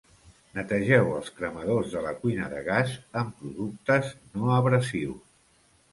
Netegeu els cremadors de la cuina de gas amb productes no abrasius.